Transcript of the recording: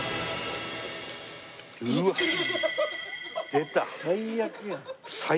出た。